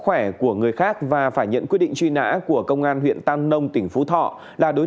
khỏe của người khác và phải nhận quyết định truy nã của công an huyện tam nông tỉnh phú thọ là đối